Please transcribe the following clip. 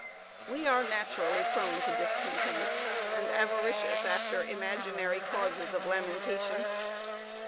We are naturally prone to discontent, and avaricious after imaginary causes of lamentation.